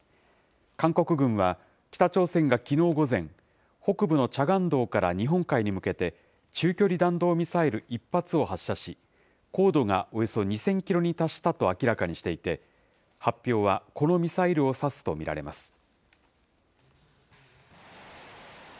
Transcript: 韓国軍は、北朝鮮がきのう午前、北部のチャガン道から日本海に向けて、中距離弾道ミサイル１発を発射し、高度がおよそ２０００キロに達したと明らかにしていて、発表はこのミサイルを指すと見られます。